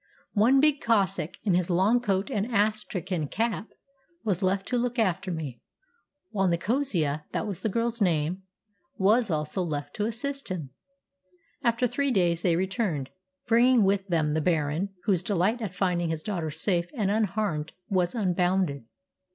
One big Cossack, in his long coat and astrakhan cap, was left to look after me, while Nicosia that was the girl's name was also left to assist him. After three days they returned, bringing with them the Baron, whose delight at finding his daughter safe and unharmed was unbounded.